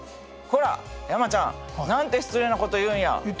こら山ちゃんなんて失礼なことを言うんや。